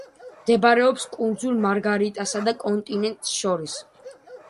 მდებარეობს კუნძულ მარგარიტასა და კონტინენტს შორის.